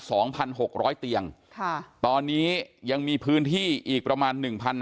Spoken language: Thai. สองพันหกร้อยเตียงค่ะตอนนี้ยังมีพื้นที่อีกประมาณหนึ่งพัน